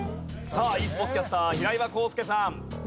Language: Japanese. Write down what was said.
さあｅスポーツキャスター平岩康佑さん。